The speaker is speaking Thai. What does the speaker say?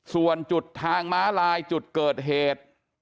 ส่วนจุดทางม้าลายจุดเกิดเหตุ